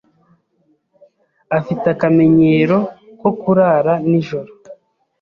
Afite akamenyero ko kurara nijoro.